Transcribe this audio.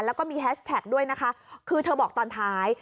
แล้วก็มีแฮชแท็กด้วยนะคะคือเธอบอกตอนท้าย